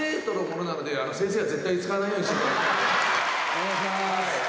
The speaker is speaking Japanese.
「お願いします」